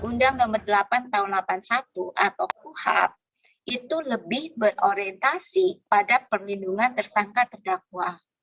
undang undang nomor delapan tahun seribu sembilan ratus delapan puluh satu atau kuhap itu lebih berorientasi pada perlindungan tersangka terdakwa